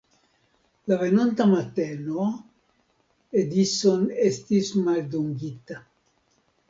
La venonta mateno Edison estis maldungita.